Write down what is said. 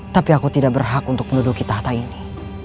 tapi aku tidak berhak untuk menduduki tahta ini